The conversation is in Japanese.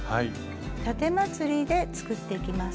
たてまつりで作っていきます。